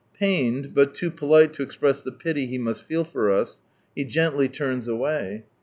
Pained, but too polite to express the pity he must feel for us, he gently turns away.